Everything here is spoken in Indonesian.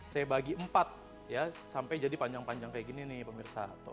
saya bagi empat ya sampai jadi panjang panjang kayak gini nih pemirsa